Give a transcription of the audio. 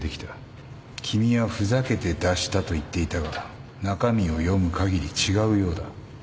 君はふざけて出したと言っていたが中身を読むかぎり違うようだ。